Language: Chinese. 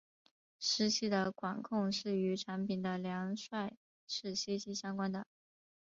湿气的管控是与产品的良率是息息相关的。